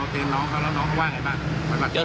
เตือนน้องเขาแล้วน้องเขาว่าไงบ้าง